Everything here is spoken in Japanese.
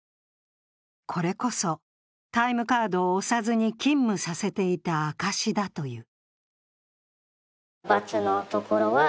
これこそタイムカードを押さずに勤務させていた証しだという。